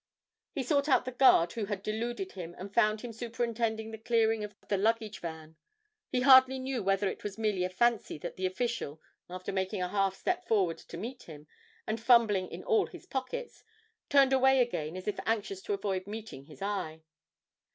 He sought out the guard who had deluded him and found him superintending the clearing of the luggage van. He hardly knew whether it was merely a fancy that the official, after making a half step forward to meet him, and fumbling in all his pockets, turned away again as if anxious to avoid meeting his eye.